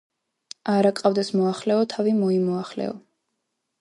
არა გყავდეს მოახლეო, თავი მოიმოახლეო